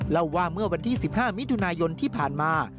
เล่าว่าเมื่อวันที่๑๕มิถุนายนที่ผ่านมา